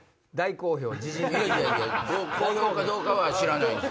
好評かどうかは知らない。